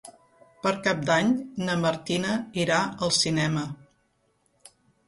Per Cap d'Any na Martina irà al cinema.